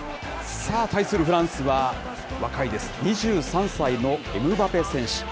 さあ、対するフランスは、若いです、２３歳のエムバペ選手。